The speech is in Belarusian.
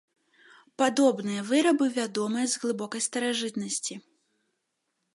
Падобныя вырабы вядомыя з глыбокай старажытнасці.